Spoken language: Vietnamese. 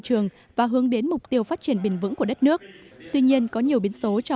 trường và hướng đến mục tiêu phát triển bền vững của đất nước tuy nhiên có nhiều biến số cho